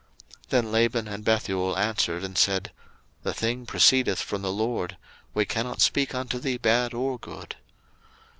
01:024:050 Then Laban and Bethuel answered and said, The thing proceedeth from the LORD: we cannot speak unto thee bad or good.